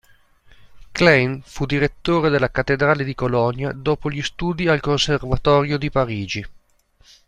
Klein fu direttore della Cattedrale di Colonia dopo gli studi al Conservatorio di Parigi.